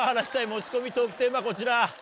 持ち込みトークテーマこちら。